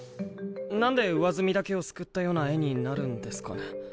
なんで上澄みだけをすくったような絵になるんですかね？